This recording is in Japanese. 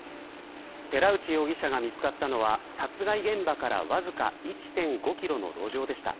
寺内容疑者が見つかったのは殺害現場からわずか１．５キロの路上でした。